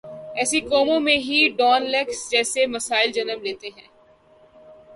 ایسی قوموں میں ہی ڈان لیکس جیسے مسائل جنم لیتے ہیں۔